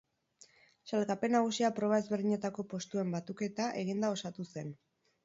Sailkapen nagusia proba ezberdinetako postuen batuketa eginda osatu zen.